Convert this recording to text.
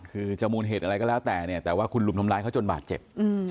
คือจริงเหตุอะไรก็แล้วแต่คุณลุ้มทำร้ายเขาจนบาดเจ็บ